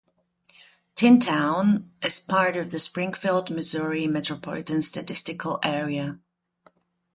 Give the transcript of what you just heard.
Tin Town is part of the Springfield, Missouri Metropolitan Statistical Area.